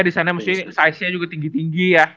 disana musti size nya juga tinggi tinggi ya